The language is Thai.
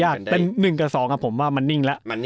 ยากเป็น๑กับ๒ผมว่ามันนิ่งแล้ว